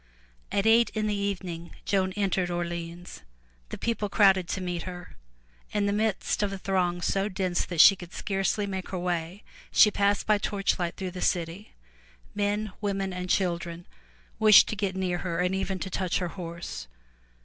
'* At eight in the evening Joan entered Orleans. The people crowded to meet her. In the midst of a throng so dense that she could scarcely make her way, she passed by torchlight through the city. Men, women and children wished to get near her and even to touch her horse.